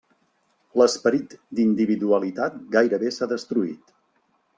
L'esperit d'individualitat gairebé s'ha destruït.